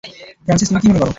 Francis, তুমি কি মনে করো?